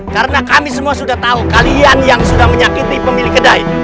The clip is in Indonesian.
karena kami semua sudah tahu kalian yang sudah menyakiti pemilik kedai